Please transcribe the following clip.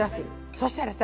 そしたらさ